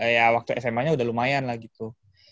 ya waktu sma nya udah lumayan lah gitu